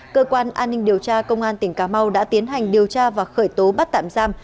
cơ quan an ninh điều tra công an tỉnh cà mau đã tiến hành điều tra và khởi tố bắt tạm giam